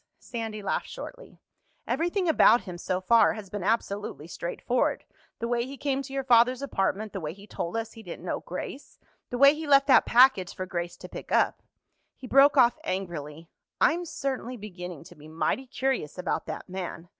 Sandy laughed shortly. "Everything about him so far has been absolutely straightforward—the way he came to your father's apartment, the way he told us he didn't know Grace, the way he left that package for Grace to pick up—" He broke off angrily. "I'm certainly beginning to be mighty curious about that man.